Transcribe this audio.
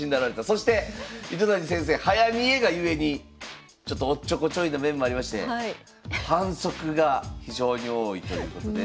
そして糸谷先生早見えがゆえにちょっとおっちょこちょいの面もありまして「反則」が非常に多いということで。